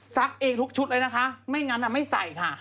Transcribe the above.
เองทุกชุดเลยนะคะไม่งั้นไม่ใส่ค่ะ